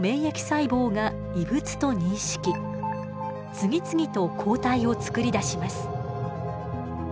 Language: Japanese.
次々と抗体をつくり出します。